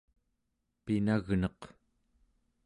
pinagneq